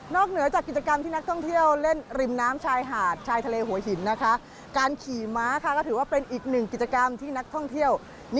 นอกเหนือจากกิจกรรมที่นักท่องเที่ยว